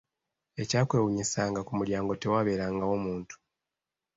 Ekyakwewuunyisanga ku mulyango tewaaberangawo muntu.